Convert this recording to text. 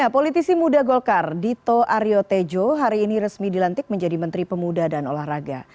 politisi muda golkar dito aryo tejo hari ini resmi dilantik menjadi menteri pemuda dan olahraga